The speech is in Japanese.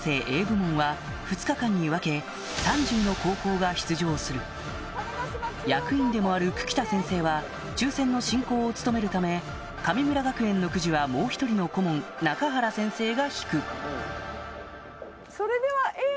Ａ部門は２日間に分け役員でもある久木田先生は抽選の進行を務めるため神村学園のくじはもう１人の顧問中原先生が引く